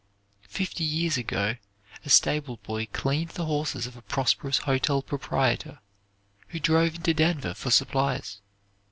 Fifty years ago, a stable boy cleaned the horses of a prosperous hotel proprietor, who drove into Denver for supplies.